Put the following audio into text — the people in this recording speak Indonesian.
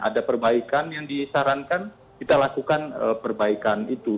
ada perbaikan yang disarankan kita lakukan perbaikan itu